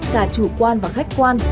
cả chủ quan và khách quan